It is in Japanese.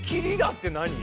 って何？